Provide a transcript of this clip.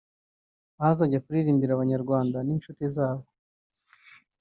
aho azajya kuririmbira Abanyarwanda n’inshuti zabo